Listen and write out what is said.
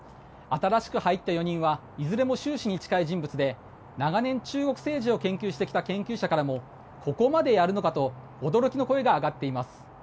新しく入った４人はいずれも習氏に近い人物で長年、中国政治を研究してきた研究者からもここまでやるのかと驚きの声が上がっています。